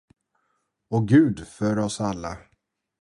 Och Gud för oss alla.